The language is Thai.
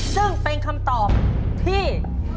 ซึ่งเป็นคำตอบที่